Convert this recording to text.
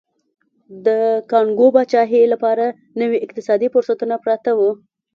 د کانګو پاچاهۍ لپاره نوي اقتصادي فرصتونه پراته وو.